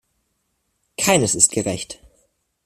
Keines ist gerecht.